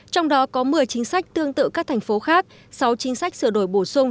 trong đó có một mươi chính sách tương tự các thành phố khác sáu chính sách sửa đổi bổ sung